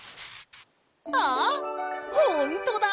あっほんとだ！